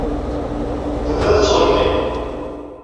Tebda tettɣenni.